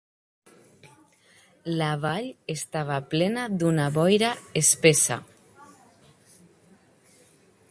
La vall estava plena d'una boira espessa.